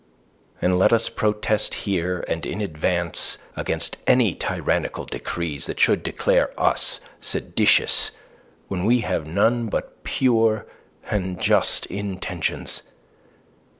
And let us protest here and in advance against any tyrannical decrees that should declare us seditious when we have none but pure and just intentions.